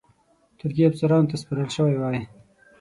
ترکي افسرانو ته سپارل شوی وای.